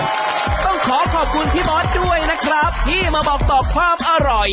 ต้องขอขอบคุณพี่มอสด้วยนะครับที่มาบอกต่อความอร่อย